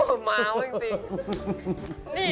หนูม้าวจริง